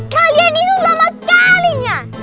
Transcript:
kalian itu lama kalinya